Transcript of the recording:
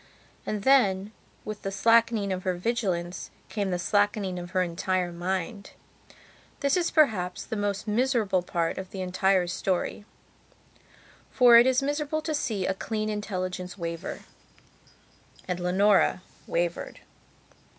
And then, with the slackening of her vigilance, came the slackening of her entire mind. This is perhaps the most miserable part of the entire story. For it is miserable to see a clean intelligence waver; and Leonora wavered.